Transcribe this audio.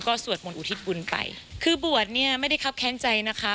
สวดมนต์อุทิศบุญไปคือบวชเนี่ยไม่ได้ครับแค้นใจนะคะ